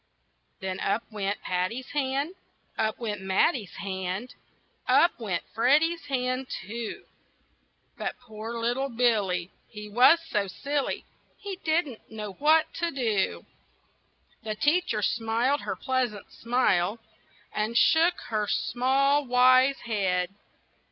Then up went Patty's hand, Up went Matty's hand, Up went Freddy's hand, too; But poor little Billy, He was so silly, He didn't know what to do. The teacher smiled her pleasant smile, And shook her small, wise head.